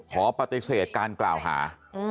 ขอปฏิเสธการกล่าวหา